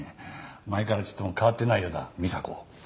前からちっとも変わってないようだ美沙子。